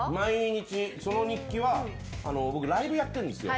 その日記は僕、ライブやってるんですよ。